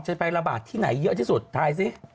ไประบาดที่ไหนเยอะที่สุดถ่ายสิ